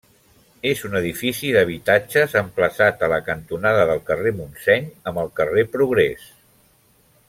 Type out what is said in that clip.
És un edifici d'habitatges emplaçat a la cantonada del carrer Montseny amb el carrer Progrés.